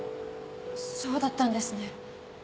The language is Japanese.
そうだったんですね。